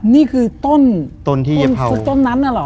นี่คือต้นซึกต้นนั้นหรอ